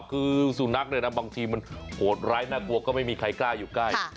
คือสุนัขเนี่ยนะบางทีมันโหดร้ายน่ากลัวก็ไม่มีใครกล้าอยู่ใกล้